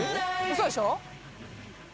嘘でしょ！？